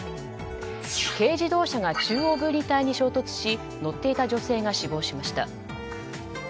軽自動車が中央分離帯に衝突し乗っていた女性が死亡しました。